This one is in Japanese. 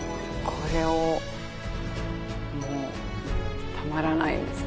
これをもうたまらないんです